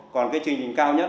còn cái chương trình cao nhất